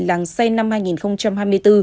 làng xe năm hai nghìn hai mươi bốn